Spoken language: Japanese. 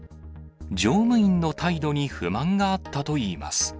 乗務員の態度に不満があったといいます。